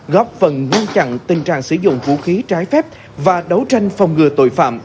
góp phần ngăn chặn tình trạng sử dụng vũ khí trái phép và đấu tranh phòng ngừa tội phạm